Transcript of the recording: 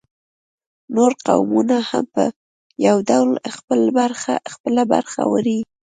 نور قومونه هم په یو ډول خپله برخه وړي